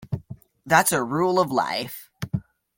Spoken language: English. That's a rule of life.